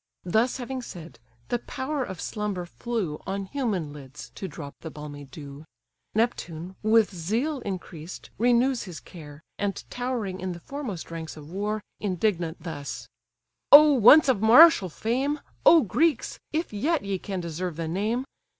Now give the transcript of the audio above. Thus having said, the power of slumber flew, On human lids to drop the balmy dew. Neptune, with zeal increased, renews his care, And towering in the foremost ranks of war, Indignant thus—"Oh once of martial fame! O Greeks! if yet ye can deserve the name!